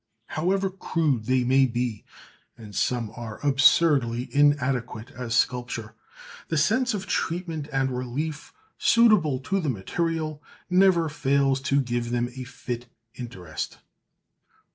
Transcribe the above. However crude they may be, and some are absurdly inadequate as sculpture, the sense of treatment and relief suitable to the material never fails to give them a fit interest.